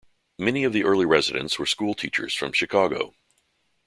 Many of the early residents were schoolteachers from Chicago.